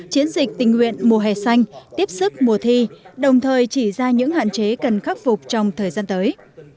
chiến dịch tình nguyện mùa hè xanh tiếp sức mùa thi đồng thời chỉ ra những hạn chế cần khắc phục trong thời gian tới